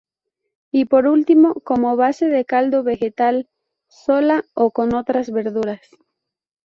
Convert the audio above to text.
Y por último, como base de caldo vegetal sola o con otras verduras.